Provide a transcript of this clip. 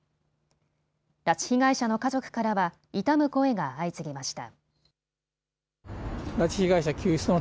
拉致被害者の家族からは悼む声が相次ぎました。